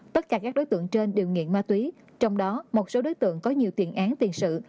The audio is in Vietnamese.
tất cả các đối tượng trên đều nghiện ma túy trong đó một số đối tượng có nhiều tiền án tiền sự